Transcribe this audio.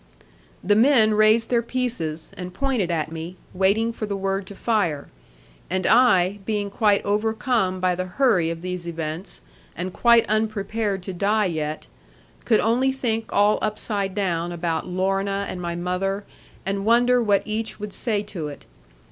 The men raised their pieces, and pointed at me, waiting for the word to fire; and I, being quite overcome by the hurry of these events, and quite unprepared to die yet, could only think all upside down about Lorna, and my mother, and wonder what each would say to it.